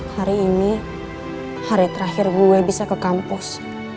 hari ini hari terakhir gue bisa ke kampus